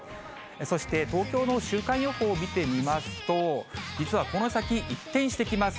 そして、東京の週間予報見てみますと、実はこの先、一転してきます。